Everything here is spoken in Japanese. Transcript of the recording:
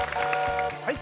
はい。